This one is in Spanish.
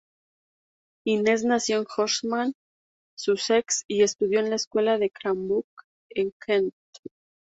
Innes nació en Horsham, Sussex, y estudió en la Escuela de Cranbrook en Kent.